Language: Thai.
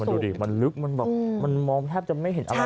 มันดูดิมันลึกมันมองแทบจะไม่เห็นอะไรแล้ว